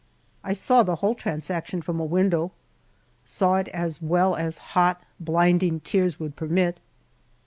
I saw the whole transaction from a window saw it as well as hot, blinding tears would permit.